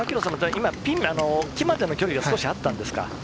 今、ピン、木までの距離が少しあったんですか？